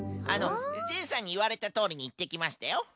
あのジェイさんにいわれたとおりにいってきましたよ。